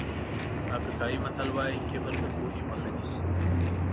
افریقایي متل وایي کبر د پوهې مخه نیسي.